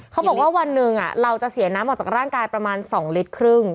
เขาบอกว่าวันหนึ่งเราจะเสียน้ำออกจากร่างกายประมาณ๒ลิตรครึ่ง